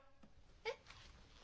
えっ？